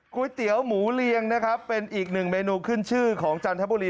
ก๋วยเตี๋ยวหมูเรียงนะครับเป็นอีกหนึ่งเมนูขึ้นชื่อของจันทบุรี